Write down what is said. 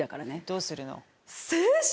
どうするの？